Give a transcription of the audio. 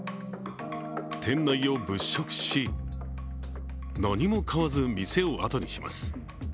店内を物色し、何も買わず店をあとにします。